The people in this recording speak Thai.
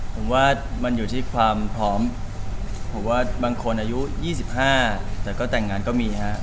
ผมว่ามันอยู่ที่ความพร้อมผมว่าบางคนอายุ๒๕แต่ก็แต่งงานก็มีฮะ